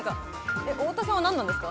太田さんは何なんですか？